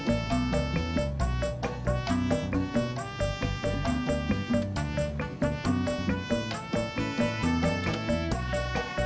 enggak ah kemarin kan udah